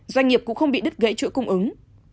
doanh nghiệp cũng không bị đứt gãy chuỗi cung ứng